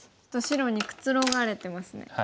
ちょっと白にくつろがれてますね。